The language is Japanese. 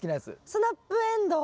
スナップエンドウ。